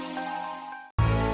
kau mau ngapain